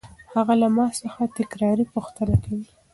هغه له ما څخه تکراري پوښتنه کوي.